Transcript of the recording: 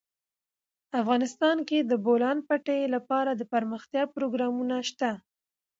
افغانستان کې د د بولان پټي لپاره دپرمختیا پروګرامونه شته.